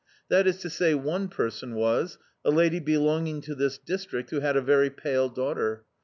That is to say, one person was a lady belonging to this district, who had a very pale daughter.